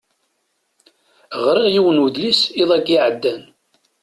Ɣriɣ yiwen udlis iḍ-agi iɛeddan.